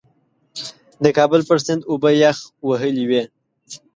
د کابل پر سیند اوبه یخ وهلې وې.